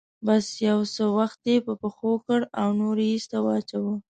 بس يو څه وخت يې په پښو کړه او نور يې ايسته واچوه.